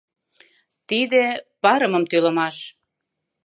Тиде — парымым тӱлымаш.